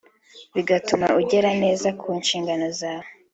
bigatuma ugera neza ku nshingano zawe